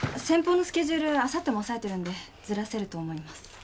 先方のスケジュールあさっても押さえてるんでずらせると思います。